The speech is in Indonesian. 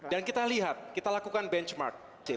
dan kita lihat kita lakukan benchmark